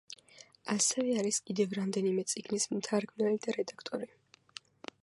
ასევე არის კიდევ რამდენიმე წიგნის მთარგმნელი და რედაქტორი.